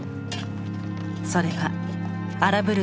それは荒ぶる